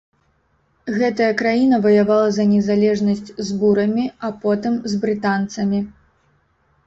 Гэтая краіна ваявала за незалежнасць з бурамі, а потым з брытанцамі.